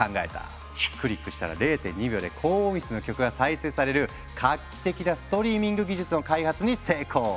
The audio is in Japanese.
クリックしたら０．２秒で高音質の曲が再生される画期的なストリーミング技術の開発に成功！